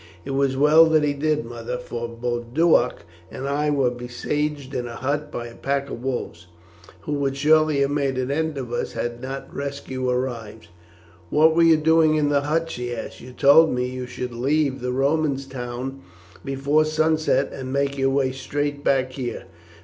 "It was well that he did, mother, for Boduoc and I were besieged in a hut by a pack of wolves, who would shortly have made an end of us had not rescue arrived." "What were you doing in the hut?" she asked. "You told me you should leave the Romans' town before sunset and make your way straight back here."